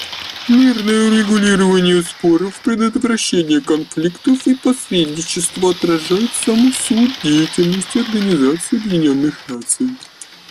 Мирное урегулирование споров, предотвращение конфликтов и посредничество отражают саму суть деятельности Организации Объединенных Наций.